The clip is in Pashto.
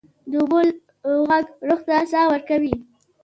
د اوبو ږغ روح ته ساه ورکوي.